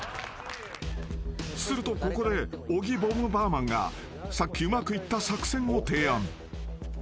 ［するとここで小木ボムバーマンがさっきうまくいった作戦を提案］